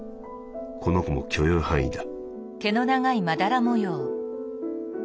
この子も許容範囲だ」。